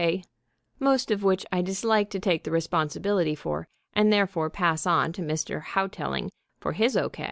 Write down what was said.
K., most of which I dislike to take the responsibility for and therefore pass on to Mr. Houghtelling for his O.